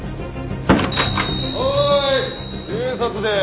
はーい警察です。